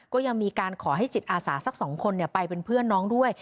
ก็ยังมีการขอให้จิตอาสาสัก๒คนไปเป็นเพื่อนน้องด้วย